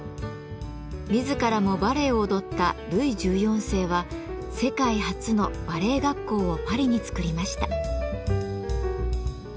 自らもバレエを踊ったルイ１４世は世界初のバレエ学校をパリに作りました。